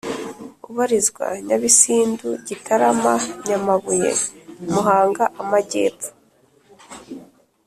ubarizwa Nyabisindu Gitarama Nyamabuye Muhanga Amajyepfo